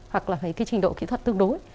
hoặc là cái trình độ kỹ thuật tương đối